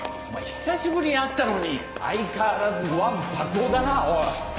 久しぶりに会ったのに相変わらずわんぱく男だなおい。